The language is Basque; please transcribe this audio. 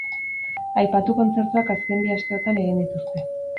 Aipatu kontzertuak azken bi asteotan egin dituzte.